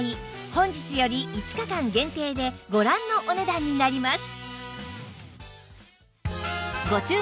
本日より５日間限定でご覧のお値段になります